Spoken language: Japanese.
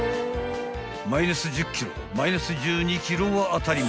［マイナス１０ｋｇマイナス１２ｋｇは当たり前］